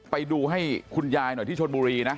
ไปดูให้คุณยายหน่อยที่ชนบุรีนะ